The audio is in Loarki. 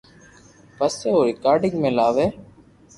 پسي او رآڪارد ۾ لاوي